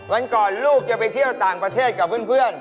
วันก่อนลูกจะไปเที่ยวต่างประเทศกับเพื่อน